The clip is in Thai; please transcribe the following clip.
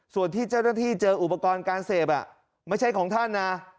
ส่วนที่เจ้าหน้าที่เจออุปกรณ์การเสพไม่ใช่ของท่านนะ